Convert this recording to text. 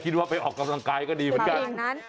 ว่าไปออกกำลังกายก็ดีเหมือนกัน